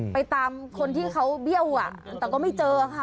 ไปตามคนที่เขาเบี้ยวแต่ก็ไม่เจอค่ะ